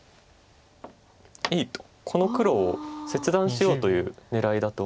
この黒を切断しようという狙いだと思います。